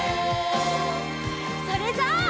それじゃあ。